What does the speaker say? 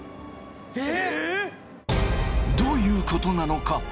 どういうことなのか。